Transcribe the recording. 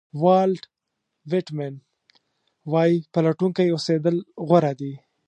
والټ وېټمن وایي پلټونکی اوسېدل غوره دي.